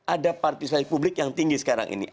ada partisipasi publik yang tinggi sekarang ini